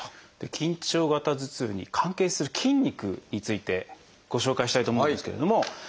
緊張型頭痛に関係する筋肉についてご紹介したいと思うんですけれども。